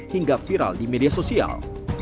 hingga viral di media sosial